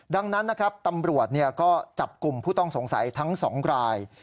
ดังนั้นนะครับตำรวจก็จับกลุ่มผู้ต้องสงสัยทั้ง๒ราย